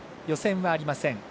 予選はありません。